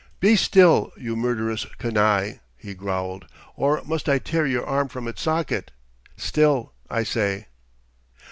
"Be still, you murderous canaille!" he growled "or must I tear your arm from its socket? Still, I say!"